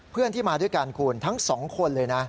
เพื่อนที่มาด้วยกันคุณทั้งสองคนเลยนะ